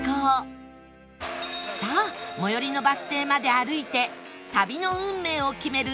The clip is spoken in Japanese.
さあ最寄りのバス停まで歩いて旅の運命を決める